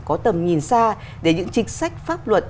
có tầm nhìn xa để những chính sách pháp luật